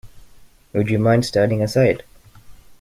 Would you mind standing aside?